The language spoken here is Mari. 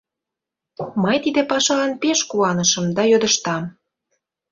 Мый тиде пашалан пеш куанышым да йодыштам: